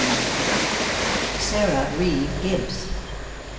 XVI. SARAH REEVE GIBBES.